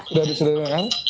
sudah bisa mendengar